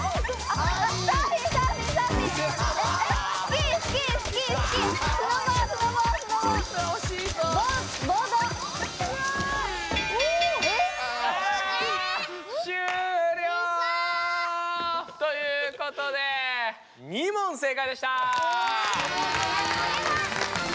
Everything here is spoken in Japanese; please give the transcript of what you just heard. あ終了！ということで２問正解でした。